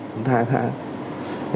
một tháng một tháng